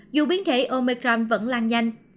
dù biến thể omicron vẫn lan nhanh